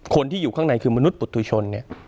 คนที่อยู่ข้างในคือมนุษย์ปุฏุชนเนี่ย